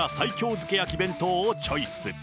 漬け焼き弁当をチョイス。